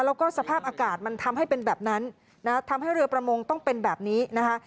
แล้วก็สภาพอากาศมันทำให้เป็นแบบนั้นนะทำให้เรือประมงต้องเป็นแบบนี้นะคะ